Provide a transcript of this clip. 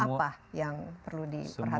dan apa yang perlu diperhatikan